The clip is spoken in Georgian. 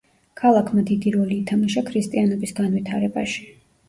ქალაქმა დიდი როლი ითამაშა ქრისტიანობის განვითარებაში.